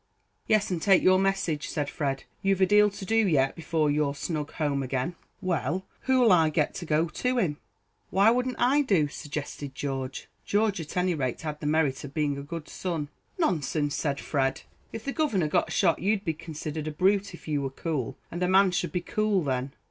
"Yes, and take your message," said Fred; "you've a deal to do yet before you're snug home again." "Well, who'll I get to go to him?" "Why wouldn't I do?" suggested George. George, at any rate, had the merit of being a good son. "Nonsense," said Fred; "if the governor got shot you'd be considered a brute if you were cool; and a man should be cool then."